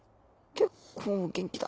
結構元気だ。